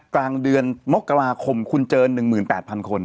กลางเดือนมกราคมคุณเจอ๑๘๐๐คน